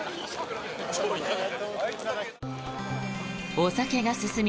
お酒が進み